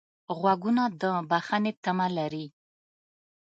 غوږونه د بښنې تمه لري